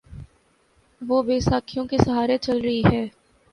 وہ بیساکھیوں کے سہارے چل رہی ہے۔